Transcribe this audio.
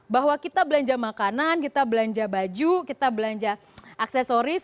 bahwa kita belanja makanan kita belanja baju kita belanja aksesoris